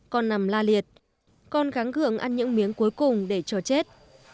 con nằm la liệt con gắng gượng ăn những miếng cuối cùng để cho chết